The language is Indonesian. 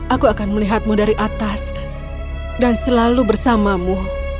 aku akan melihatmu dari atas dan selalu bersamamu